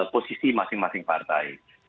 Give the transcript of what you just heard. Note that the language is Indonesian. posisi masing masing partai